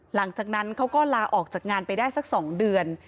หลังจากนั้นเขาก็ลาออกจากงานไปได้สัก๒เดือน